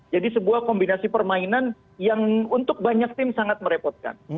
jadi sebuah kombinasi permainan yang untuk banyak tim sangat merepotkan